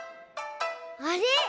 あれ？